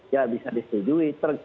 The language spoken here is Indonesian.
ya bisa disetujui